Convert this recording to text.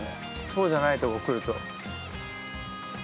そうじゃないとこ来ると。